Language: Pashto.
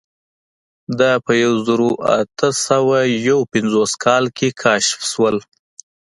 دا په یوه زرو اتو سوو یو پنځوسم کال کې کشف شول.